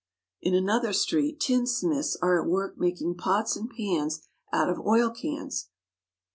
In another street tinsmiths are at work making pots and pans out of oil cans.